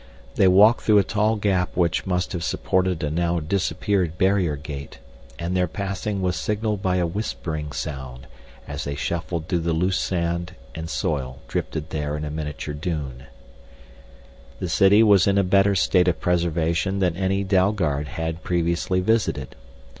They walked through a tall gap which must have supported a now disappeared barrier gate, and their passing was signaled by a whispering sound as they shuffled through the loose sand and soil drifted there in a miniature dune. This city was in a better state of preservation than any Dalgard had previously visited.